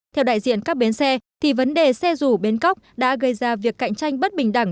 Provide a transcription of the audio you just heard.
theo đại diện các bến xe thì vấn đề xe rủ bến cóc đã gây ra việc cạnh tranh bất bình đẳng